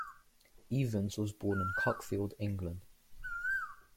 Evans was born in Cuckfield, England.